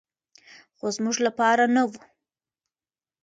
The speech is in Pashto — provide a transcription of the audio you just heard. خو زموږ لپاره نه و.